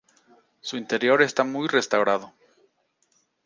Su interior está muy restaurado.